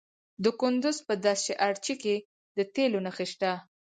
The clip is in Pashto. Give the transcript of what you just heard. د کندز په دشت ارچي کې د تیلو نښې شته.